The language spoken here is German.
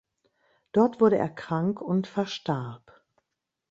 Dort wurde er krank und verstarb.